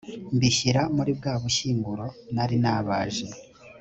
mbishyira muri bwa bushyinguro nari nabaje,